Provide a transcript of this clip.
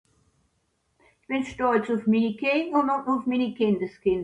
ich bin stolz